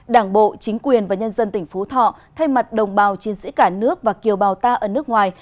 đảng bộ chính quyền và nhân dân tỉnh phú thọ thay mặt đồng bào chiến sĩ cả nước và kiều bào ta ở nước ngoài